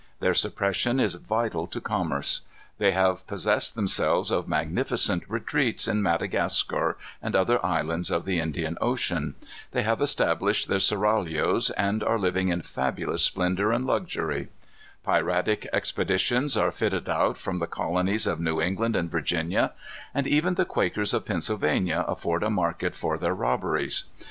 Their suppression is vital to commerce. They have possessed themselves of magnificent retreats, in Madagascar and other islands of the Indian Ocean. They have established their seraglios, and are living in fabulous splendor and luxury. Piratic expeditions are fitted out from the colonies of New England and Virginia; and even the Quakers of Pennsylvania afford a market for their robberies.